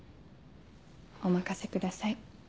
お任せください。